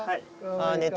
ああ寝た？